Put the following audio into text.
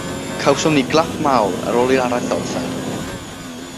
Cawsom ni glap mawr ar ôl i'r araith orffen